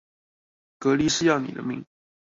隔離是要你的命